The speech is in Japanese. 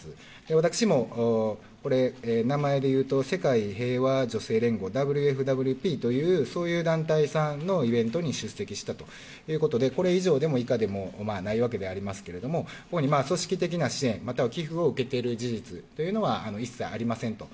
私もこれ、名前でいうと、世界平和女性連合・ＷＦＷＰという、そういう団体さんのイベントに出席したということで、これ以上でもこれ以下でもないわけでありますけれども、ここに組織的な支援、または寄付を受けている事実というのは、一切ありませんと。